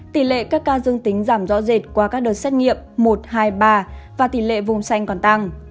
tỷ lệ các ca dương tính giảm rõ rệt qua các đợt xét nghiệm một hai ba và tỷ lệ vùng xanh còn tăng